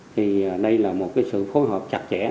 thì đây là một sự phối hợp chặt chẽ